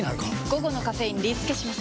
午後のカフェインリスケします！